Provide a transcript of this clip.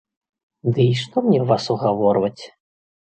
Дый што мне вас угаворваць.